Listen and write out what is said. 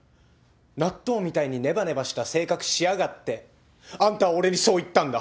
納豆みたいにねばねばした性格しやがってあんたは俺にそう言ったんだ。